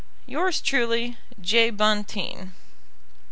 Yours truly, J. BONTEEN.